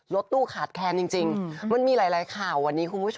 รถตู้ขาดแค้นจริงมันมีหลายข่าววันนี้คุณผู้ชม